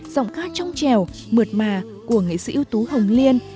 giọng khát trong trèo mượt mà của nghị sĩ ưu tú hồng liên